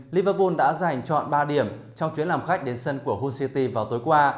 liverpool đã giành chọn ba điểm trong chuyến làm khách đến sân của hull city vào tối qua